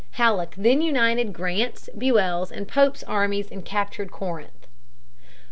Halleck then united Grant's, Buell's, and Pope's armies and captured Corinth.